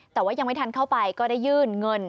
แต่ว่ายังไม่ทันเข้าไปก็ได้ยื่นเงิน